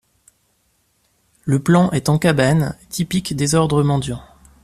La plan est en cabane, typique des ordres mendiants.